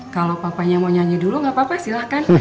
kalau papanya mau nyanyi dulu gak apa apa silahkan